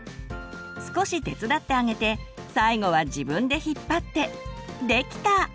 少し手伝ってあげて最後は自分で引っ張ってできた！